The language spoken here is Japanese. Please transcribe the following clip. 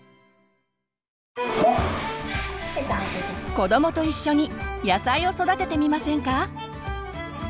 子どもと一緒に野菜を育ててみませんか？